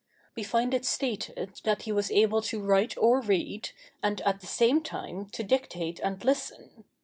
We find it stated that he was able to write or read, and, at the same time, to dictate and listen.